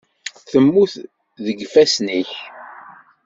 Temmut deg yifassen-ik.